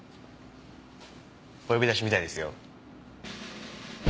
お呼び出しみたいですよ。